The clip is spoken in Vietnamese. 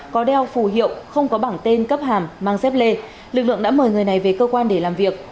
có đeo phù hiệu không có bảng tên cấp hàm mang xếp lê lực lượng đã mời người này về cơ quan để làm việc